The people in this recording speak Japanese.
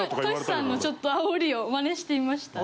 Ｔｏｓｈｌさんのちょっとあおりをマネしてみました。